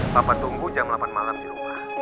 papa tunggu jam delapan malam di rumah